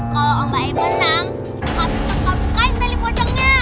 kalau om baim menang pasti kita bukain tali bocongnya